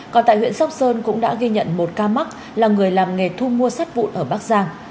còn tại huyện sóc sơn cũng đã ghi nhận một ca mắc là người làm nghề thu mua sắt vụn ở bắc giang